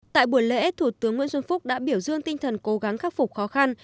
tại buổi lễ thủ tướng nguyễn xuân phúc đã biểu dương tinh thần cố gắng khắc phục khó khăn